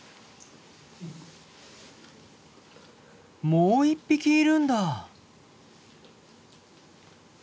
もう一匹いるんだ。